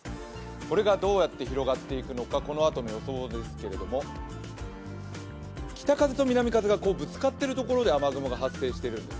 これがどうやって広がっていくのか、このあとですけど、北風と南風がぶつかっている所で雨雲が発生しているんです。